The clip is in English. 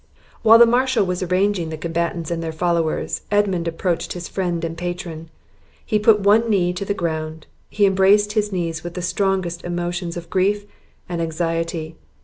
While the marshal was arranging the combatants and their followers, Edmund approached his friend and patron; he put one knee to the ground, he embraced his knees with the strongest emotions of grief and anxiety.